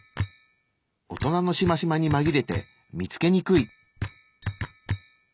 大人のしましまにまぎれて見つけにくい。